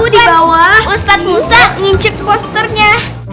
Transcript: di bawah ustaz musa ngincet posternya